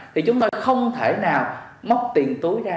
thì chúng tôi không thể nào móc tiền túi ra